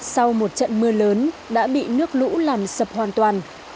sau một trận mưa lớn đã bị nước lũ làm sập hoàn toàn